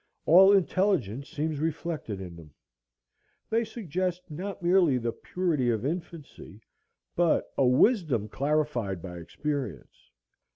All intelligence seems reflected in them. They suggest not merely the purity of infancy, but a wisdom clarified by experience.